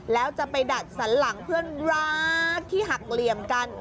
แล้วจะไปดัดสันหลังเพื่อนรักที่หักเหลี่ยมกัน